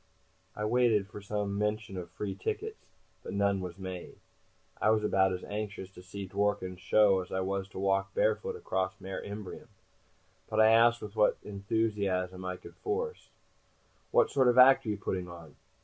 I waited for some mention of free tickets, but none was made. I was about as anxious to see Dworken's show as I was to walk barefoot across the Mare Imbrium, but I asked with what enthusiasm I could force, "What sort of act are you putting on?